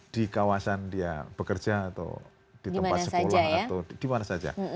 di kawasan dia bekerja atau di tempat sekolah atau di mana saja